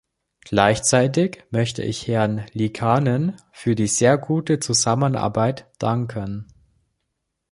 Gleichzeitig möchte ich Herrn Liikanen für die sehr gute Zusammenarbeit danken.